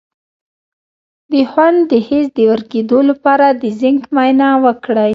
د خوند د حس د ورکیدو لپاره د زنک معاینه وکړئ